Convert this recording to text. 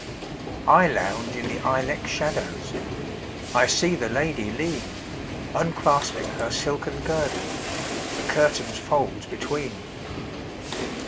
I lounge in the ilex shadows,I see the lady lean, Unclasping her silken girdle, The curtain's folds between.